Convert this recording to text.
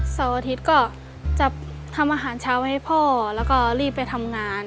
เสาร์อาทิตย์ก็จะทำอาหารเช้าให้พ่อแล้วก็รีบไปทำงาน